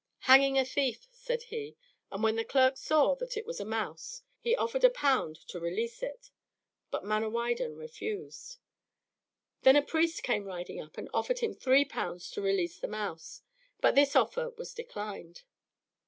"Hanging a thief," said he; and when the clerk saw that it was a mouse, he offered a pound to release it, but Manawydan refused. Then a priest came riding up and offered him three pounds to release the mouse; but this offer was declined.